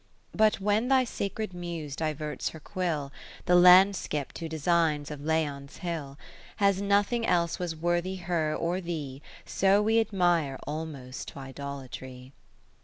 But when thy sacred Muse diverts her quill, The landskip to design of Leon's Hill; 20 As nothing else was worthy her or thee, So we admire almost t' idolatry.